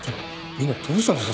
みんなどうしたんですか？